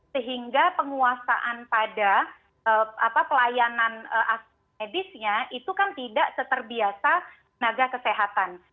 sehingga penguasaan pada pelayanan medisnya itu kan tidak seterbiasa naga kesehatan